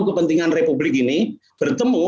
kepentingan republik ini bertemu